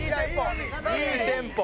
いいテンポ！